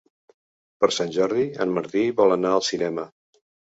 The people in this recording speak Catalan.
Per Sant Jordi en Martí vol anar al cinema.